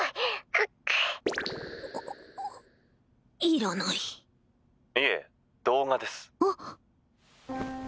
いらないいえ動画です